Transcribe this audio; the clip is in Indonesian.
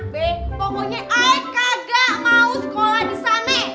be pokoknya ae kagak mau sekolah disane